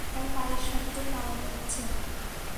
তার পায়ের শব্দ পাওয়া যাচ্ছে।